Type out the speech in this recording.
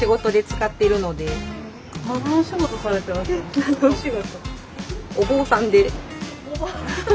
「何のお仕事？」。